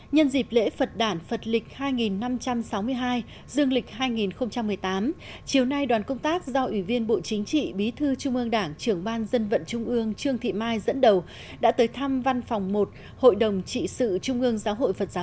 nhân dịp lễ phật đản phật lịch hai năm trăm sáu mươi hai dương lịch hai nghìn một mươi tám chiều nay đoàn công tác do ủy viên bộ chính trị bí thư trung ương đảng trưởng ban dân vận trung ương trương thị mai dẫn đầu đã tới thăm văn phòng một hội đồng trị sự trung ương giáo hội phật giáo